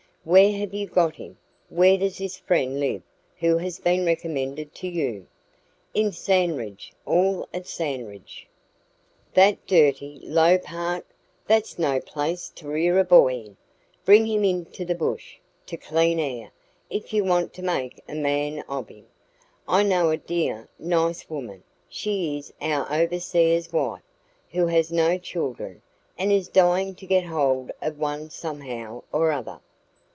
"Where have you got him? Where does this friend live who has been recommended to you?" "In Sandridge all at Sandridge " "That dirty, low part! That's no place to rear a boy in. Bring him into the bush, to clean air, if you want to make a man of him. I know a dear, nice woman she is our overseer's wife who has no children, and is dying to get hold of one somehow or other.